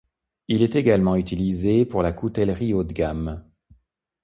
Il est également utilisé pour la coutellerie haut de gamme.